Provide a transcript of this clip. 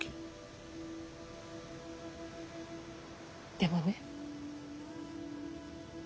でもね